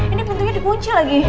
ini pintunya dikunci lagi